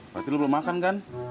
berarti lu belum makan kan